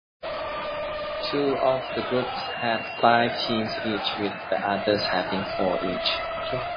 Two of the groups had five teams each, with the others having four each.